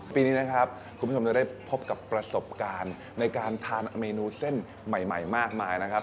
ปีนี้นะครับคุณผู้ชมจะได้พบกับประสบการณ์ในการทานเมนูเส้นใหม่มากมายนะครับ